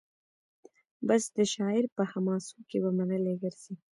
بس د شاعر په حماسو کي به منلي ګرځي